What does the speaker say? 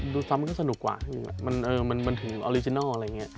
ดูซับมันก็สนุกกว่ามันเออมันถึงออริจินัลอะไรอย่างเงี้ย